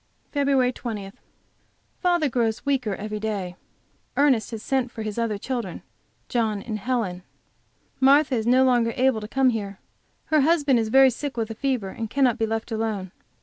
FEB. 20. Father grows weaker every day. Ernest has sent for his other children, John and Helen. Martha is no longer able to come here; her husband is very sick with a fever, and cannot be left alone.